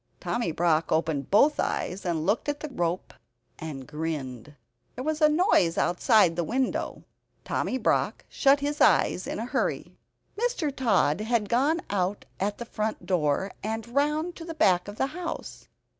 Tommy Brock opened both eyes, and looked at the rope and grinned. There was a noise outside the window. Tommy Brock shut his eyes in a hurry. Mr. Tod had gone out at the front door, and round to the back of the house.